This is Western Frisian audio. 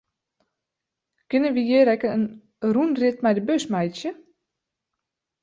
Kinne wy hjir ek in rûnrit mei de bus meitsje?